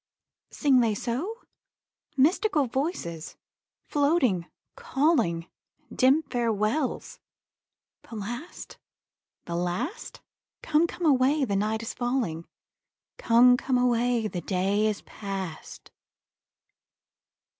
Sing they so? Mystical voices, floating, calling; Dim farewells the last, the last? Come, come away, the night is falling; 'Come, come away, the day is past.'